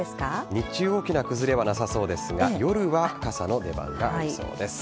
日中大きな崩れはなさそうですが夜は傘の出番がありそうです。